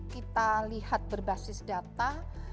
kita lihat berbasis data